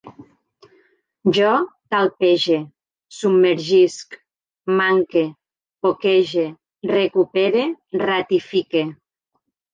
Jo talpege, submergisc, manque, poquege, recupere, ratifique